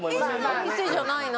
変な店じゃないな。